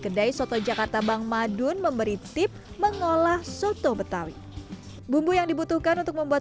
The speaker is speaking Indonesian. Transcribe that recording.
kedai soto jakarta bang madun memberi tip mengolah soto betawi bumbu yang dibutuhkan untuk membuat